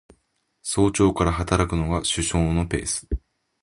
早朝から働くのが首相のペース